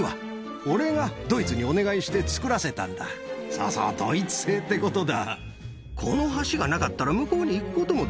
そうそうドイツ製ってことだ。